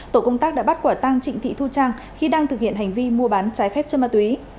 tổ công tác đã bắt quả tang trịnh thị thu trang khi đang thực hiện hành vi mua bán trái phép chân ma túy